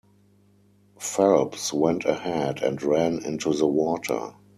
Phelps went ahead and ran into the water.